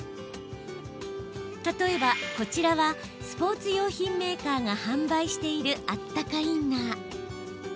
例えば、こちらはスポーツ用品メーカーが販売しているあったかインナー。